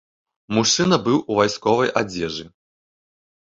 Мужчына быў у вайсковай адзежы.